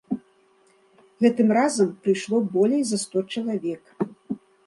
Гэтым разам прыйшло болей за сто чалавек.